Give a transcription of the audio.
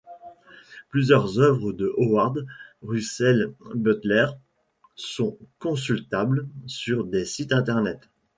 Plusieurs œuvres de Howard Russell Butler sont consultables sur des sites Internet.